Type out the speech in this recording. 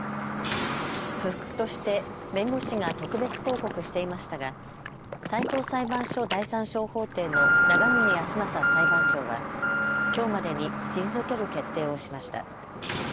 不服として弁護士が特別抗告していましたが、最高裁判所第３小法廷の長嶺安政裁判長はきょうまでに退ける決定をしました。